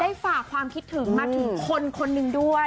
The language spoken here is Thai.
ฝากความคิดถึงมาถึงคนคนหนึ่งด้วย